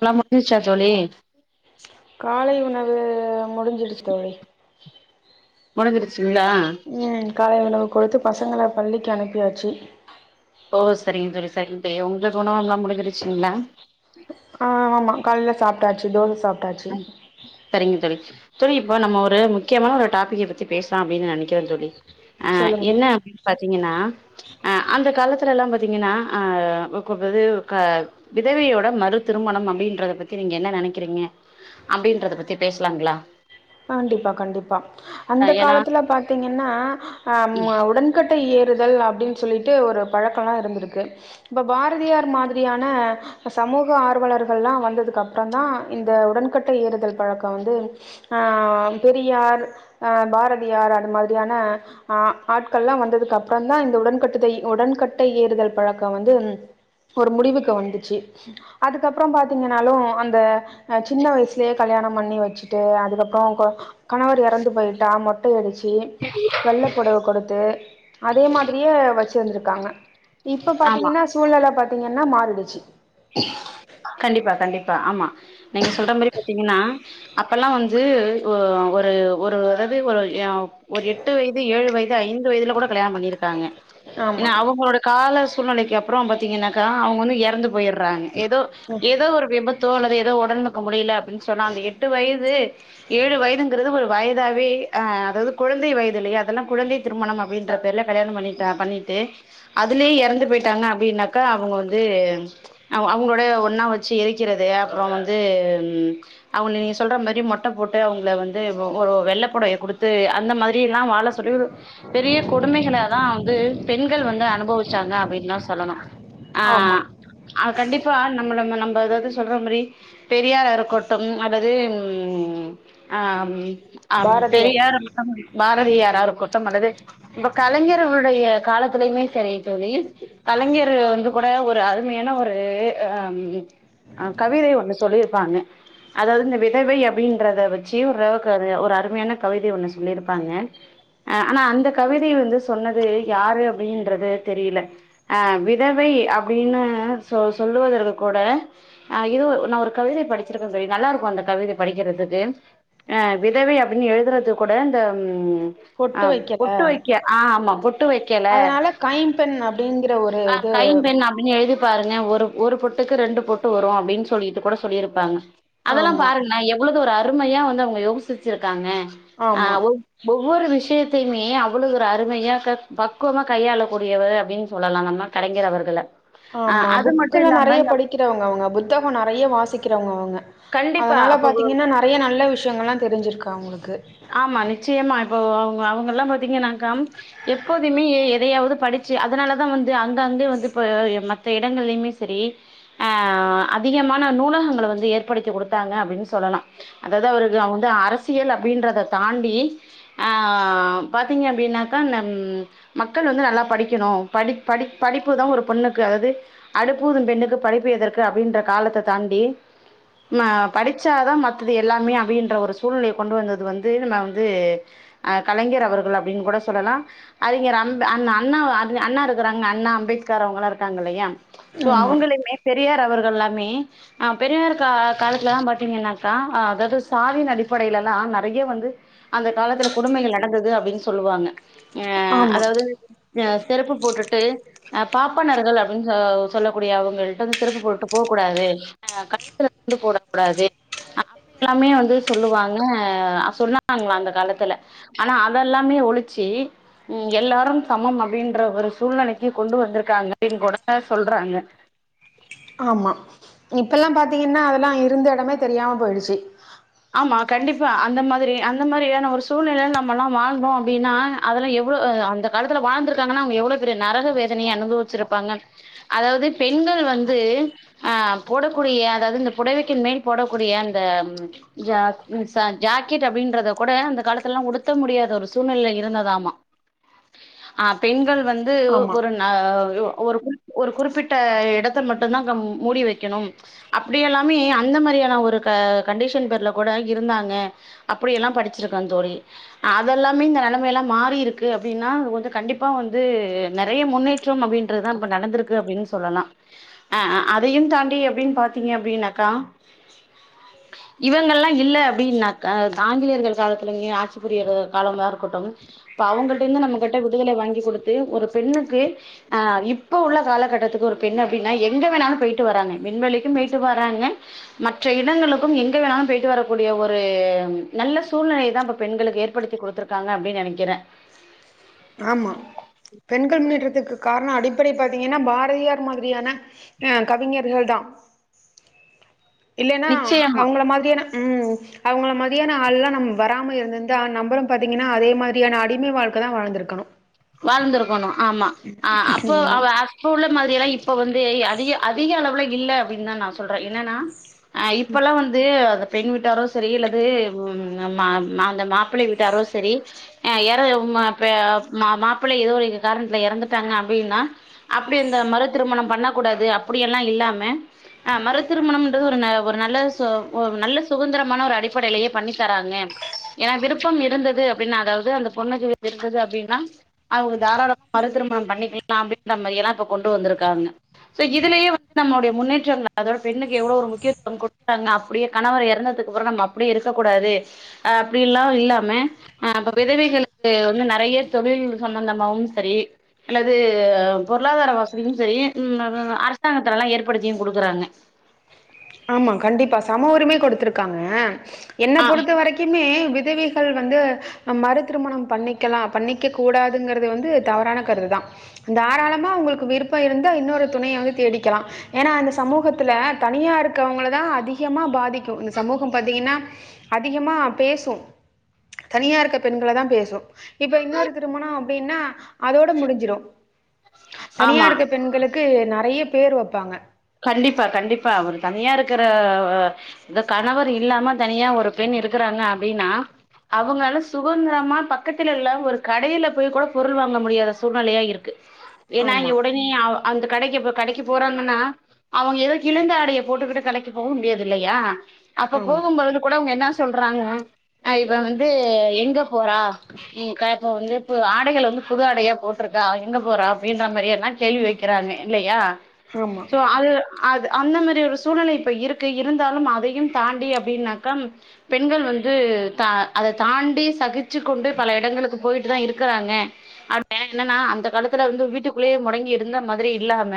எல்லா முடிஞ்சிருச்சா தோழி காலை உணவு முடிஞ்சிருச் தோழி முடிஞ்சிருச்சுங்ளா ம் காலை உணவு கொடுத்து பசங்கள பள்ளிக்கு அனுப்பியாச்சு ஓ சரிங்க தோழி சரிங்க தோழி ஒங்ளுக்கு உணவம்லா முடிஞ்சிருச்சிங்ளா ஆ ஆமா கால்ல சாப்ட்டாச்சு தோச சாப்ட்டாச்சு சரிங்க தோழி தோழி இப்ப நம்ம ஒரு முக்கியமான ஒரு டாபிக்க பத்தி பேசலா அப்டின் நெனக்கிறே தோழி அ சொல்லுங்க என்ன அப்டின் பாத்தீங்கன்னா ஆ அந்த காலத்துலலா பாத்தீங்கன்னா அ இப்ப இது க விதவையோட மறு திருமணம் அப்டின்றத பத்தி நீங்க என்ன நெனக்கிறீங்க அப்டின்றத பத்தி பேசலாங்ளா கண்டிப்பா கண்டிப்பா அந்த ஏன்னா காலத்துல பாத்தீங்கன்னா அம் உடன் கட்டை ஏறுதல் அப்டின் சொல்லிட்டு ஒரு பழக்கொல்லா இருந்துருக்கு ப்ப பாரதியார் மாதிரியான ப்ப சமூக ஆர்வலர்கள்லா வந்ததுக்கு அப்ற தா இந்த உடன் கட்டை ஏறுதல் பழக்கொ வந்து அ பெரியார் அ பாரதியார் அது மாரியான அ ஆட்கள்லா வந்ததுக்கு அப்றோ தா இந்த உடன்கட்டுதை உடன்கட்டை ஏறுதல் பழக்கொ வந்து ஒரு முடிவுக்கு வந்துச்சு அதுக்கப்றோ பாத்தீங்கனாலு அந்த சின்ன வயசுலே கல்யாணம் பண்ணி வச்சுட்டு அதுக்கப் கோக்கோ கணவர் எறந்து பொயிட்டா மொட்டை அடிச்சி வெள்ள பொடவ கொடுத்து அதே மாதிரியே வச் டூர்ந்துக்காங்க இப்ப ஆமா பாத்தீங்கன்னா சூழ்நெல பாத்தீங்கன்னா மாறிடிச்சு கண்டிப்பா கண்டிப்பா ஆம்மா நீங்க சொல்ற மாரி பாத்தீங்கன்னா அப்பல்லா வந்து ஒ ஒரு ஒரு அதாது ஒரு எ ஒரு எட் எட்டு வயது ஏழு வயது ஐந்து வயதுல கொட கல்யாணொ பண்ணிருக்காங்க ஆமா எனா அவங்களோட கால சூழ்நெலைக்கு அப்றோ பாத்தீங்கன்னாக்கா அவுங்க வந்து எறந்து பொயிர்க் றாங்க எதோ ம் ஏதோ ஒரு விபத்தோ அல்லது எதோ ஒடன்புக்கு முடில பின் சொன்னாங்க எட்டு வயது ஏழு வயதுங்கிறது ஒரு வயதாவே அ அதாது குழந்தை வயது இல்லயா அதெல்லா குழந்தை திருமணம் அப்டின்ற பேருல கல்யாணம் பண்ணிடா பண்ணிட்டு அதுலே எறந்து பொயிட்டாங்னா அப்டின்னாக்கா அவுங்க வந்து அவ் அவுங்ளோடயே ஒன்னா வச்சு எரிக்கிறது அப்றோ வந்து அவுங்க நீங்க சொல்ற மாரி மொட்ட போட்டு அவுங்குள வந்து ஒ ஒரு வெள்ள பொடவைய குடுத்து அந்த மாதிரி இல்லா வாழ தொறயூரூ பெரிய கொடுமைகள தா வந்து பெண்கள் வந்து அனுபவிச்சாங்க அப்டின்தா சொல்லணு அ ஆமா அ கண்டிப்பா நம்மள ம்ம நம்ப எதாவது சொல்ற மரி பெரியாரா இருக்கட்டும் அல்லது ம் அ அப் பாரதியார் பெரியாரு அம் பாரதியாரா இருக்கட்டும் அல்லது இப்ப கலைஞர்வுடைய காலத்திலயுமே சரி தோழி கலைஞரு வந்து கூட ஒரு அரு மையான ஒரு அம் அ கவிதை ஒண்ணு சொல்லிருப்பாங்க அதாவ்து இந்த விதவை அப்பிடின்றத வெச்சி ஓருளவுக்கு ஒரு அருமையான கவிதை ஒண்ணு சொல்லிருப்பாங்க அ அனா அந்த கவிதை வந்து சொன்னது யாரு அப்பிடின்றது தெரிய்ல அ விதவை அப்பிடின்னு சொ சொல்லுவதற்கு கூட அ இதோ ஒ நா ஒரு கவிதை படிச்சிருக்கே தோழி நல்லாருக்கு அந்த கவிதை படிக்கிறதுக்கு அ விதவை அப்பின் எழுதுறதுக் கொட இந்த ம் பொட்டு அ வைக்கல பொட்டு வக்க அ ஆம்மா பொட்டு வக்கல ப்பென்னப் டிங்கிற ஒரு அ இது கைம் பெண் அப் பின் எழுதிப் பாருங்க ஒரு ஒரு பொட்டுக்கு ரெண்டு பொட்டு வரு அப்டின் சொல்லிட்டுக் கொட சொல்லிருப்பாங்க அதலாம் ஆமா பாருங்கள எவ்வளது ஒரு அருமையா வந்து அவுங்க யோசிச்சிருக்காங்க அ ஆமா ஒவ் ஒவ்வொரு விஷயத்தையுமே அவ்வளவு ஒரு அருமையா க பக்குவமா கையாளக்கூடியவர் அப்டின் சொல்லலா நம்ம கலைஞர் அவர்கள ஆ ஆம்மா அது மட்டு புக்குல்லா இல்லாம நெறைய படிக்கிறவங்க அவுங்க புத்தக நெறைய வாசிக்கிறவுங்க அவுங்க கண்டிப்பா அதனால அப்போ பாத்தீங்கன்னா நறைய நல்ல விஷயங்கள்லா தெரிஞ்சிர்க்கு அவுங்குள்க்கு ஆம்மா நிச்சயமா இப்போ அவுங்க அவுங்கல்லா பார்த்தீங்கன்னாக்க எப்போதுமே எ எதயாவது படிச்சு அதனாலதா வந்து அங்க அங்கெ வந்து ப்ப மத்த இடங்கள்லயுமே செரி அ அதிகமான நூலகங்களை வந்து ஏற் படித்தி குடுத்தாங்க அப்பிடின்னு சொல்லலா அதாவது அவருக்கு அவ வந்து அரசியல் அப்பிடின்றத தாண்டி ஆ பாத்தீங்க அப்பிடின்னாக்கா நம் மக்கள் வந்து நல்லா படிக்கணு படிப் படிப் படிப்பு தா ஒரு பொண்ணுக்கு அதாவது அடுப்பூதும் பெண்ணுக்கு படிப்பு எதற்கு அப்பிடின்ற காலத்த தாண்டி ம்ம படிச்சாதா மத்தது எல்லாமே அப்பிடின்ற ஒரு சூழ்நிலைய கொண்டு வந்தது வந்து நம்ம வந்து அ கலைஞர் அவர்கள் அப்பிடின்னு கூட சொல்லலா அறிஞர் அண் அந்த அண்ணா அ அண்ணா இருக்குறாங்க அண்ணா அம்பேத்கர் அவங்கள்ல்லா இருக்காங்க இல்லையா சோ ஆமா அவங்களயுமே பெரியார் அவர்கள் எல்லாமே அ பெரியார் கா லத்துலல்லா பாத்தீங்கன்னாக்கா அ அதாவது சாதியின் அடிப்படையில எல்லா நெறைய வந்து அந்த காலத்துல கொடுமைகள் நடந்தது அப்பிடின்னு சொல்லுவாங்க அ ஆமா அதாவது எ செருப்பு போட்டுட்டு அ பாப்பனர்கள் அப்பிடின்னு சொ சொல்லக்கூடிய அவங்கள்ட்ட வந்து செருப்பு போட்டுட்டு போ கூடாது ஆ கழுத்துல துண்டு போடக் கூடாது அப்பிடி எல்லாமே வந்து சொல்லுவாங்க அ சொன்னாங்களா அந்த காலத்துல ஆனா அதெல்லாமே ஒழிச்சு ம் எல்லாரும் சமம் அப்டின்ற ஒரு சூழ்நிலைக்கு கொண்டு வந்திருக்காங்க அப்டின்னு கூட சொல்றாங்க ஆமா இப்பல்லா பாத்தீங்கன்னா அதெல்லா இருந்த எடமே தெரியாம போயிடுச்சி ஆமா கண்டிப்பா அந்த மாதிரி அந்த மாரியான ஒரு சூழ்நிலைல நம்மெல்லா வாழ்ந்தோ அப்பிடின்னா அதெல்லா எவ்ளோ அ அந்த காலத்துல வாழ்ந்திருக்காங்கன்னா அவங்க எவ்ளோ பெரிய நரக வேதனய அனுபவிச்சிருப்பாங்க அதாவது பெண்கள் வந்து அ போடக்கூடிய அதாவது இந்த புடவைக்கே மேல் போடக்கூடிய அந்த ஜ ம் ச ஜாக்கெட் அப்டின்றத கூட அந்த காலத்துலல்லா உடுத்த முடியாத ஒரு சூழ்நிலை இருந்ததாமா ஆ பெண்கள் வந்து ஆமா ஒரு ஆ ஒ ஒரு கு ஒரு குறிப்பிட்ட இடத்த மட்டுதா கம் மூடி வெக்கணு அப்டி எல்லாமே அந்த மாரியான ஒரு க கண்டிஷன் ப ல கூட இருந்தாங்க அப்டிய எல்லா படிச்சிருக்க தோழி அதெல்லாமே இந்த நெலைமையெல்லா மாறி இருக்கு அப்டின்னா அது வந்து கண்டிப்பா வந்து நெறைய முன்னே ற்றம் அப்டின்றதுதா இப்ப நடந்திருக்கு அப்டின்னு சொல்லலா ஆ அ அதையு தாண்டி எப்டின்னு பாத்தீங்க அப்டின்னாக்கா இவங்கல்லா இல்ல அப்டின்னாக்கா அத் ஆங்கிலேயர்கள் காலத்துலயே ஆட்சி புரியற காலமா இருக்கட்டும் இப்ப அவங்கள் கிட்ட இருந்து நம்ம கிட்ட விடுதலை வாங்கி கொடுத்து ஒரு பெண்ணுக்கு ஆ இப்ப உள்ள காலகட்டத்துக்கு ஒரு பெண் அப்டின்னா எங்க வேணாலு போயிட்டு வராங்க விண்வெளிக்கும் போயிட்டு வராங்க மற்ற இடங்களுக்கும் எங் கே எங்க வேணுனாலும் போயிட்டு வரக்கூடிய ஒரு நல்ல சூழ்நிலையை தா இப்ப பெண்களுக்கு ஏற்படுத்தி குடுத்தருக்காங்க அப்டின்னு நெனைக்கிறே ஆமா பெண்கள் முன்னேற்றத்துக்கு காரணோ அடிப்படை பாத்தீங்கன்னா பாரதியார் மாதிரியான அ கவிஞர்கள் தா இல்லைன்னா நிச்சயமா அவங்கள மாரியான ம் அவங்கள மாதிரியான ஆள்லா நம் வராம இருந்திருந்தா நம்மளு பாத்தீங்கன்னா அதே மாரியான அடிமை வாழ்க்கை தா வாழ்து இருப் க்கணு வாழ்ந்திருக்கணு ஆமா ஆ அப்போ ஆமா அவ ஆ ப்ப உள்ள மாதிரிய எல்லா இப்ப வந்து அதிக அதிக அளவுல இல்ல அப்டின்னுதா நா சொல்றே என்னன்னா அ இப்பல்லா வந்து அத பெண் வீட்டாரு செரி அல்லது ம் மா ம அந்த மாப்பிள்ளை வீட்டாரு செரி அ யறு உம்மா பேஅப் மா மாப்பிள்ளை ஏதோ ஒரி இகு காரண்த்துல யறந்துட்டாங்க அப்டின்னா அப்டி இந்த மறு திருமணம் பண்ண கூடாது அப்படியல்லா இல்லாம ஆ மறு திருமணம்ன்றது ஒருன ஒரு நல்ல ஸோ வோ நல்ல சுதந்திரமான ஒரு அடிப்படலயே பண்ணி தராங்க ஏன்னா விருப்பம் இருந்தது அப்டின்னா அதாவ்து அந்த பொண்ணுக்கு பி இருக்குது அப்டின் நா அவங்க தாராள மறு திருமணம் பண்ணி க்லா அப்படின்ன மாதி எல்லாம் இப்ப கொண்டு வந்துருக்காங்க சோ இதுலயே வந்து நம்மோடைய முன்னேற்றங்கள் அதோட பெண்ணுக்கு எவ்ளோ ஒரு முக்கியத்துவம் குடுத்தாங்கப் அப்படியே கணவர் இறந்ததுக்கு அப்ற நம் அப்படி இருக்கக்க கூடாதே ஆ அப்டில்லா இல்லாம ஆ அப்ப விதவைகளுக்கு வந்து நறைய தொழில் சம்பந்தமாவும் சரி அல்லது பொருளாதார வசதியும் சரி ம் நனன அரசாங்கத்துலல்லா ஏற்படுத்தியு குடுக்கறாங்க ஆமா கண்டிப்பா சம உரிமை கொடுத்திருக்காங்க என்ன ஆ பொறுத்த வரைக் திமாமி விதவிஹள் வந்து நம் மறு திருமணம் பண்ணிக்கலா பண்ணிக்க கூடாதுங்கறது வந்து தவறான கருது தா தாராளமா உங்கள்க்கு விருப்ப இருந்தா இன்னொரு துணைய வந்து தேடிக்கலா ஏனா அந்த சமூகத்துல தனியாரு க்கவங்கள தா அதிகமா பாதிக்கு இந்த சமூகம் பாத்தீங்கின்னா அதிகமா பேசு தனியா இருக்க பெண்கள தா பேசு இப்ப இன்னொரு திருமணோ அப்டின்னா அதோட முடிஞ்சிரு தனியா ஆமா இருக்க பெண்களுக்கு நறைய பேர் வப்பாங்க கண்டிப்பா கண்டிப்பா அவரு தனியா இருக்கற இந்த கணவர் இல்லாம தனியா ஒரு பெண் இருக்கறாங்க அப்டின்னா அவங்கால சுகந்திரமா பக்கத்துல இல்லா ஒரு கடைய்ல போய் கூட பொருள் வாங்க முடியாத சூழ்நிலையா இருக்கு ஏன்னா ஆமா, இவ் உடனே அவ் அந்த கடைக்கிப்பு கடைக்கி போறாங்கன்னா அவங் எதோ கிழிந்த ஆடைய போட்டுக்கிட்டு கடைக்கி போக முடியாது இல்லையா அப்ப ஆமா, போகும் பொழுது கூட அவ்ங் என்னாஸ் சொல்றாங்னா அ இவ வந்து எங்க போறா உம் க பு வந்து பு ஆடைகள வந்து புது ஆடையா போட்ருக்கா அவ எங்க போறா அப்படின்ற மாரியே நன் கேள்வி வைக்கிறாங்க இல்லையா ஹாமா சோ அது அது அந்த மேரி ஒரு சூழ்நில இப்ப இருக்கு இருந்தாலும் அதையும் தாண்டி அப்டினாக்கம் பெண்கள் வந்து தா அத தாண்டி சகிச்சு கொண்டு பல இடங்களுக்கு போய்ட்டுதா இருக்கறாங்க [inaudible] என்னன்னா அந்த காலத்துல வந்து வீட்டுக்குள்ளே மொடங்கி இருந்த மதிரி இல்லாம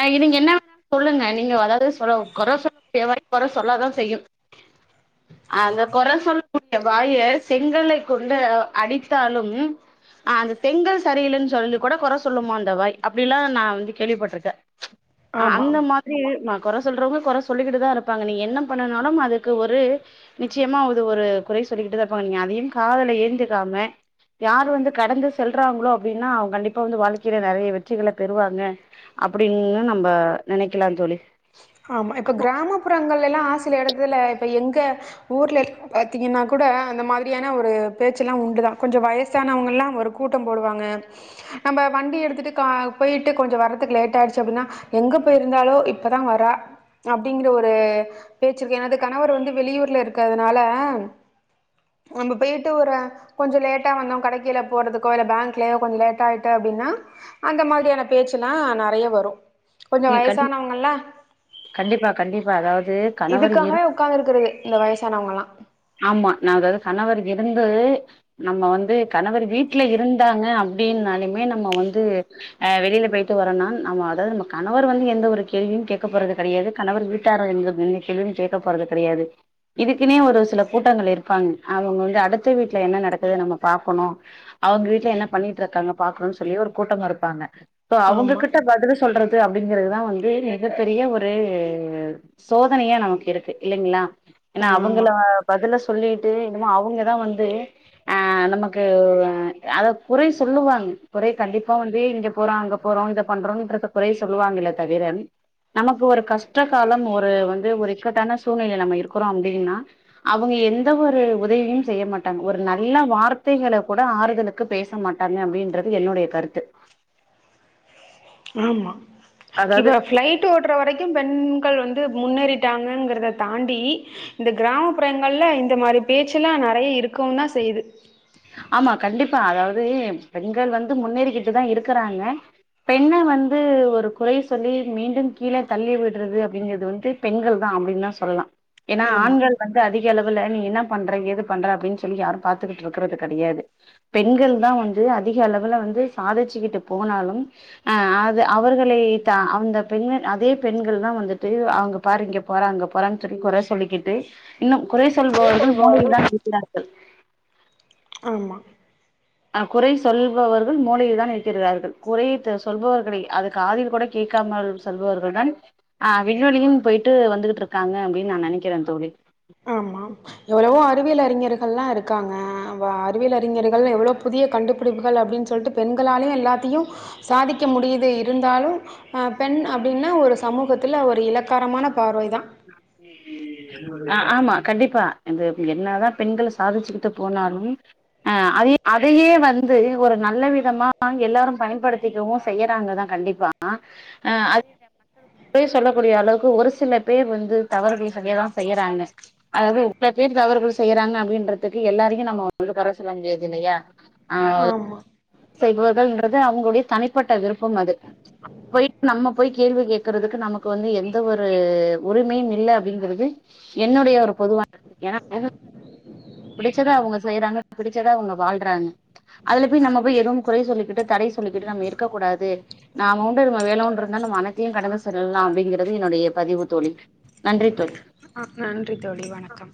அ இவிங் என்னா வேணாலு சொல்லுங்க நீங்க அதாவ்து சொல்லவு கொற சொல் தேவாய் கொற சொல்லாதா செய்யு அந்த கொற சொல் [inaudible] வாய செங்கல்லை கொண்டு அடித்தாலும் ஆ அந்த செங்கல் சரியில்லன் சொல்து கூட கொற சொல்லுமா அந்த வாய் அப்டிலா நா வந்து கேள்விபட்ருக்கே ஆ ஆமா. அந்த மாத்ரி நா கொற சொல்றவங்க கொற சொல்லிக்கிட்டுதா இருப்பாங்க நீங்க என்ன பண்ணனாலும் அதுக்கு ஒரு நிச்சயமா விது ஒரு குறை சொல்லிகிட்டுதா இருப்பாங் நீங் அதையும் காதுல ஏந்திக்காம யார் வந்து கடந்து செல்றாங்ளோ அப்டின்னா அவ் கண்டிப்பா வந்து வாழ்க்கைல நெறய வெற்றிகள பெறுவாங்க அப்டின்னு நம்ப நெனைக்கலா தோழி ஆமா இப்ப க்ராமப்புறங்கலல்லா சில இடத்துல இப்ப எங்க ஊர்லட் பாத்தீங்கின்னா கூட அந்த மாதிரியான ஒரு பேச்சுல்லா உண்டுதா கொஞ்சோ வயசானவங்கல்லா வரு கூ கூட்டம் போடுவாங்க நம்ப வண்டி எடுத்துட்டு கா போய்ட்டு கொஞ்சோ வர்ரதுக் லேட் ஆயிடுச்சு அப்டின்னா எங்க போய்ருந்தாலோ இப்பதா வரா அப்படிங்குற ஒரு பேச்சிருக்கே ஏனா அது கணவர் வந்து வெளியூர்ல இருக்கதுனாலம் நம்ம பேய்ட்டு ஒர கொஞ்சோ லேட்டா வந்தோ கடைக்கில போறதுக்கோ இல்ல பேங்க்லயோ கொஞ்சு லேட்டாய்ட்டு அப்டினா அந்த மாதிரியான பேச்சுலா நறைய வரு கொஞ்சோ ம் கண் வய்சானவுங்கலா கண்டிப்பா கண்டிப்பா அதாவது கணவர் இரு இதுக்காகவே உக்காந்து இருக்குறது இந்த வயசானவுங்கலா ஆமா நா அதாவ்து கணவர் இருந்து நம்ம வந்து கணவர் வீட்ல இருந்தாங்க அப்டினாலுமே நம்ம வந்து அ வெளில போய்ட்டு வரோனா நம்ம அத நம்ம கணவர் வந்து எந்த ஒரு கேள்வியு கேக்க போறது கெடையாது கணவர் வீட்டாரு எந்த கேள்வி கேள்வியு கேக்க போறது கெடையாது இதுக்குனே ஒரு சில கூட்டங்கள் இருப்பாங்க அவுங்க வந்து அடுத்த வீட்ல என்ன நடக்குது நம்ம பாக்கணு அவுங்க வீட்ல என்ன பண்ணிட்ருக்காங்க பாக்கணுன் சொல்லி ஒரு கூட்டம் இருப்பாங்க சோ ஆமா அவுங்ககிட்ட பதில சொல்ற து அப்டிங்கறதுதா வந்து மிகப்பெரிய ஒரு சோதனையா நமக்கு இருக்கு இல்லைங்ளா எனா ஆமா அவுங்கள பதில சொல்லிட்டு என்னமோ அவுங்கதா வந்து அ நமக்கு அத குறை சொல்லுவாங்க குறை கண்டிப்பா வந்து இங்க போறோ அங்க போறோ இத பண்றோன்றத குறை சொல்லுவாங்களே தவிர நமக்கு ஒரு கஷ்டகாலம் ஒரு வந்து ஒரு இக்கட்டான சூழ்நிலை நம்ம இருக்குறோ அப்டினா அவுங்க எந்த ஒரு உதவியு செய்ய மாட்டாங்க ஒரு நல்ல வார்த்தைகள கூட ஆறுதலுக் கு பேச மாட்டங்க அப்டின்றது என்னுடைய கருத்து ஆமா அதாவது இப்ப ஃப்ளை டு ஓட்ற வரைக்கு பெண்கள் வந்து முன்னேறிட்டாங்கங்கிறத தாண்டி இந்த கிராமப்புறங்கள்ல இந்த மாரி பேச்சுலா நெறைய இருக்கவுந்தா செய்து ஆமா கண்டிப்பா அதாவது பெண்கள் வந்து முன்னேறிகிட்டுதா இருக்குறாங்க பெண்ண வந்து ஒரு குறை சொல்லி மீண்டும் கீழ தள்ளி விட்றது அப்டிங்கிறது வந்து பெண்கள்தா அப்டின்தா சொல்லா ஏனா ஆமா ஆண்கள் வந்து அதிக அளவுல நீ என்ன பண்ற ஏது பண்ற அப்டின் சொல்லி யாரு பாத்துகிட் ருக்கிறது கெடையாது பெண்கள்தா வந்து அதிக அளவுல வந்து சாதிச்சுக்கிட்டு போனாலும் அ அது அவர்களேதா அந்த பெண்கள் அதே பெண்கள் தா வந்துட்டு அங்க பாரு இங்க போறா அங்க போறா சொல்லி கொற சொல்லிகிட்டு இன்னு குறை சொல்பவர்கள் மூலையில்தான் இருக்கிறார்கள் ஆமா அ குறை சொல்பவர்கள் மூளையில்தான் இருக்கிறார்கள் குறை த சொல்பவர்களை அது காதில் கூட கேக்காமல் சொல்பவள்தான் அ விண்வெளியும் போய்ட்டு வந்துகிட்ருக்காங்க அப்டின் நா நெனைக்கிறேன் தோழி ஆமா எவுளவோ அறிவியல் அறிஞர்கள்லா இருக்காங்க அவா அறிவியல் அறிஞர்கள்னு எவுளோ புதிய கண்டுபிடிப்புகள் அப்டின் சொல்ட்டு பெண்களாலயு எல்லாத்தியு சாதிக்க முடியது இருந்தாலு அ பெண் அப்டினா ஒரு சமூகத்துல ஒரு இலக்காரமான பார்வைதா அப்டி ஆ ஆமா கண்டிப்பா இது என்னாதா பெண்கள் சாதிச்சுக்கிட்டு போனாலு ஆ அத அதையே வந்து ஒரு நல்ல விதமா எல்லாரு பயன்படுத்திக்கவு செய்யறாங்கதா கண்டிப் பா அது இந்த மக்களுக்கு குறை சொல்லக்கூடிய அளவுக்கு ஒரு சில பேர் வந்து தவறுகள் செய்யதா செய்யுறாங்க அதாவ்து சில பேர் தவறுகள் செய்யுறாங்க அப்டின்றதுக்கு எல்லாரையு நம்ம வந்து கொற சொல்ல முடியாது இல்லையா ஆ இவ்வாறு ஆமா தவறு செய்பவர்கள்ன்றது அவுங்களுடைய தனிப்பட்ட விருப்பம் அது போய்ட்டு நம்ம போய் கேள்வி கேக்குறதுக்கு நமக்கு வந்து எந்த ஒரு உரிமையும் இல்ல அப்டிங்கிறது என்னுடைய ஒரு பொதுவான கருத்து ஏனா ம் ம் பிடிச்சத அவுங்க செய்றாங்க பிடிச்சத அவுங்க வாழ்றாங்க அதுல பொய் நம்ம போய் எதுவும் குறை சொல்லிக்கிட்டு தடை சொல்லிக்கிட்டு நம்ம இருக்கக் கூடாது நாம உண்டு நம வேலை ஒன் இருந்தா நம் மனத்தையும் கடந்து செல்லலா அப்டிங்கிறது என்னொடைய பதிவு தோழி நன்றி தோய் அ நன்றி தோழி வணக்கம்